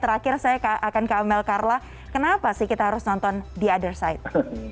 terakhir saya akan ke amel karla kenapa sih kita harus nonton the other side